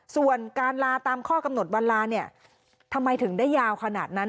ส่วนการลาตามข้อกำหนดวันลาเนี่ยทำไมถึงได้ยาวขนาดนั้น